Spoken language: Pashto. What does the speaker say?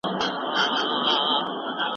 دي غونډي به د اقتصاد د پياوړتيا لوری ټاکلی وي.